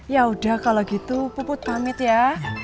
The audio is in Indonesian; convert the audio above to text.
ya udah kalau gitu puput pamit ya